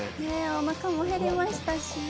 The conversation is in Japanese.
おなかも減りましたし。